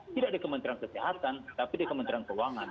tidak di kementerian kesehatan tapi di kementerian keuangan